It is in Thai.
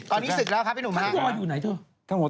ตอนนี้สึกแล้วครับพี่หนุ่มฮ่าท่านวอลอยู่ไหนเธอ